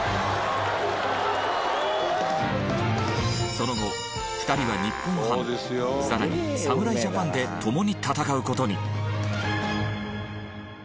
その後２人は日本ハムさらに侍ジャパンで共に戦う事に。